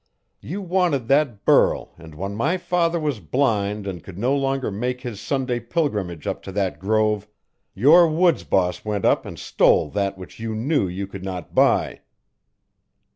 You wanted that burl and when my father was blind and could no longer make his Sunday pilgrimage up to that grove, your woods boss went up and stole that which you knew you could not buy."